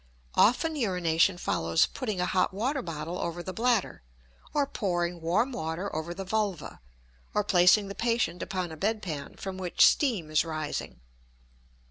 Often urination follows putting a hot water bottle over the bladder; or pouring warm water over the vulva; or placing the patient upon a bed pan from which steam is rising.